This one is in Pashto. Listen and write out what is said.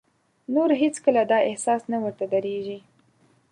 نور هېڅ کله دا احساس نه ورته درېږي.